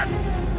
tidak tidak tidak